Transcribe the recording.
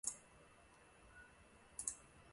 容迪亚是巴西阿拉戈斯州的一个市镇。